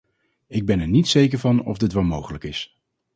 Ik ben er niet zeker van of dit wel mogelijk is.